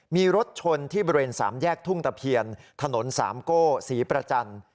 มีรถชนที่บริเวณ๓แยกทุ่งตะเพียนถนน๓กสีประจันทร์